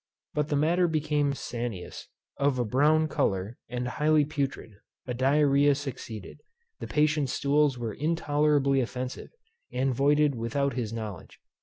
But the matter became sanious, of a brown colour, and highly putrid. A Diarrhoea succeeded; the patient's stools were intolerably offensive, and voided without his knowledge.